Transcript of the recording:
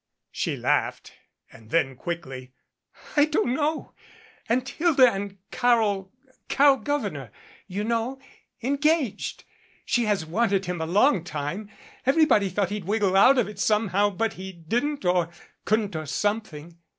She laughed. And then quickly. "I don't know. And Hilda and Carol Carol Gouver neur, you know engaged. She has wanted him a long 269 time. Everybody thought he'd wiggle out of it somehow, but he didn't or couldn't or something."